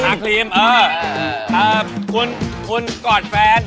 ท้ากรีมใช่คุณกอดแฟน